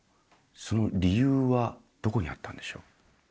その理由はどこにあったんでしょう？